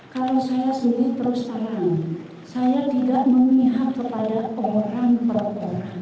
kalau saya sendiri terus saran saya tidak memihak kepada orang per orang